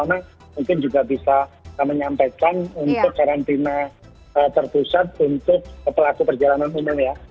mungkin juga bisa kami nyampaikan untuk karantina terpusat untuk pelaku perjalanan umum ya